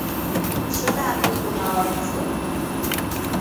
是大姑姑的儿子